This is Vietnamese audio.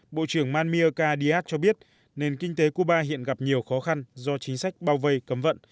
bộ trưởng manmiaka dyat cho biết nền kinh tế cuba hiện gặp nhiều khó khăn do chính sách bao vây cấm vận